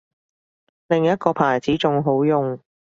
另一個牌子仲好用